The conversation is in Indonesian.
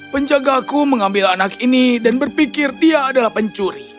penjagaku mengambil anak ini dan berpikir dia adalah pencuri